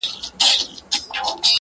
پلار و زوی ته و ویل د زړه له زوره.